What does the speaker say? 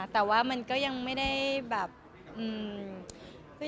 แต่ก็ยังไม่ได้กับ